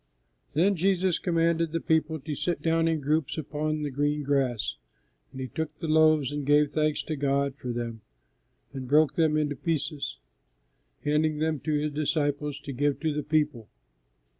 Then Jesus commanded the people to sit down in groups upon the green grass; and He took the loaves and gave thanks to God for them, and broke them into pieces, handing them to His disciples to give to the people.